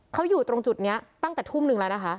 เขาอยู่ตรงจุดนี้ตั้งแต่ทุ่มนึงแล้วนะคะ